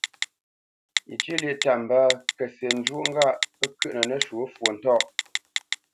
Yecyə̂ lyêʼ ta mbə kətsi zhôʼ ŋgâʼ pə́ kyə̂ʼnə́ nəshwɔ̌ fwo ntóʼ.